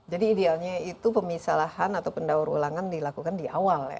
jadi idealnya itu pemisahan atau pendaur ulangan dilakukan di awal ya